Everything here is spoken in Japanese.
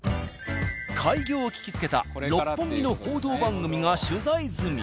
開業を聞きつけた六本木の報道番組が取材済み。